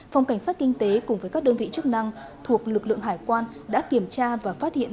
phòng cảnh sát kinh tế cùng với các đơn vị chức năng thuộc lực lượng hải quan đã kiểm tra và phát hiện